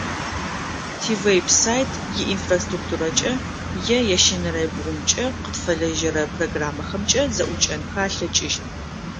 Тивеб-сайт иинфраструктурэкӏэ, е ящэнэрэ бгъумкӏэ къытфэлэжьэрэ программэхэмкӏэ зэӏукӏэнхэ алъэкӏыщт.